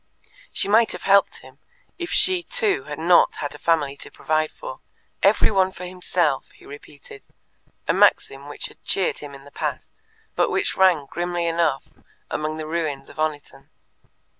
She might have helped him, if she too had not had a family to provide for. "Every one for himself," he repeated a maxim which had cheered him in the past, but which rang grimly enough among the ruins of Oniton.